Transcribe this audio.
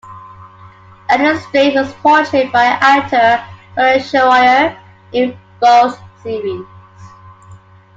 Enos Strate was portrayed by actor Sonny Shroyer in both series.